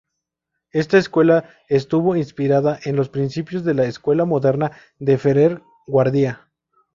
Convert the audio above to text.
Esta escuela estuvo inspirada en los principios de la Escuela Moderna de Ferrer Guardia.